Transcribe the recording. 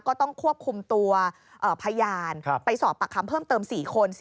ก็ต้องควบคุมตัวพยานไปสอบปากคำเพิ่มเติม๔คน